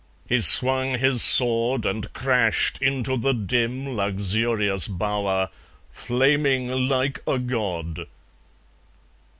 He swung his sword, and crashed into the dim Luxurious bower, flaming like a god.